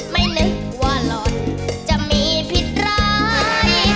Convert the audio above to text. ไม่นึกว่าหล่อนจะมีผิดร้าย